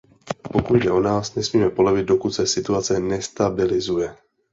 Pokud jde o nás, nesmíme polevit, dokud se situace nestabilizuje.